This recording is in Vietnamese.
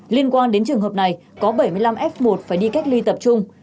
liên quan đến trường hợp này có bảy mươi năm f một phải đi cách ly tập trung